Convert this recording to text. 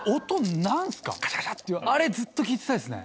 あれずっと聞いてたいですね。